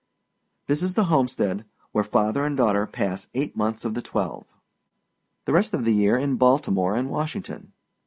This is the homestead, where father and daughter pass eight months of the twelve; the rest of the year in Baltimore and Washington.